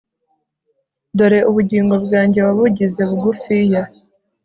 dore ubugingo bwanjye wabugize bugufiya